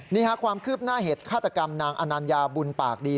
นี่ค่ะความคืบหน้าเหตุฆาตกรรมนางอนัญญาบุญปากดี